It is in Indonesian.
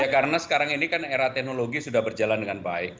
ya karena sekarang ini kan era teknologi sudah berjalan dengan baik